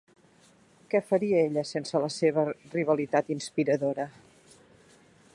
Què faria ella sense la seva rivalitat inspiradora?